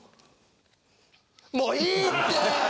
もういいって！